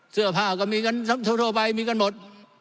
เสื้อผ้าก็มีเงินทั่วไปมีกันหมด